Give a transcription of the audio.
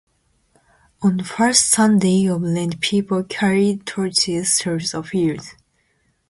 On the first Sunday of Lent people carried torches through the fields.